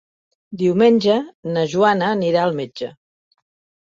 Diumenge na Joana anirà al metge.